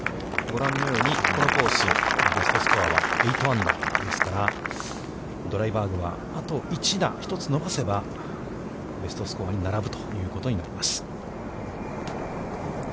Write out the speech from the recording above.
ご覧のようにこのコース、ベストスコアは８アンダーですから、ドライバーグは、あと１打伸ばせば、ベストスコアに並ぶということになります。